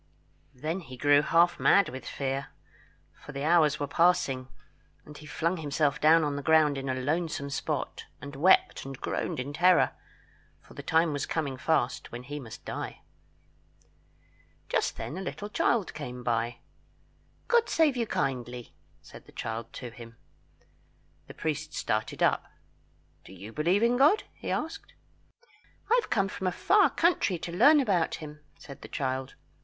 Then he grew half mad with fear, for the hours were passing, and he flung himself down on the ground in a lonesome spot, and wept and groaned in terror, for the time was coming fast when he must die. Just then a little child came by. "God save you kindly," said the child to him. The priest started up. "Do you believe in God?" he asked. "I have come from a far country to learn about him," said the child.